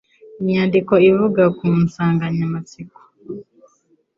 Imyandiko ivuga ku nsanganyamatsiko